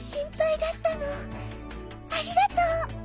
ありがとう！